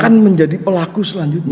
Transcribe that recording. akan menjadi pelaku selanjutnya